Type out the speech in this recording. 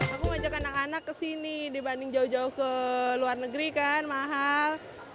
aku mau ajak anak anak ke sini dibanding jauh jauh ke luar negeri kan mahal